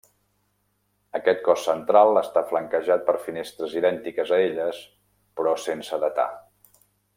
Aquest cos central està flanquejat per finestres idèntiques a elles però sense datar.